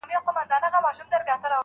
هره ورځ به په دعا یو د زړو کفن کښانو